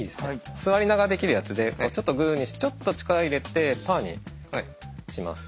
座りながらできるやつでちょっとグーにしてちょっと力入れてパーにします。